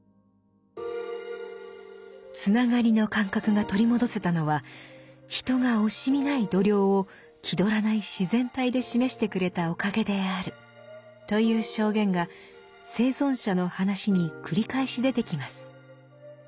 つながりの感覚が取り戻せたのは人が惜しみない度量を気取らない自然体で示してくれたおかげであるという証言が生存者の話に繰り返し出てきます。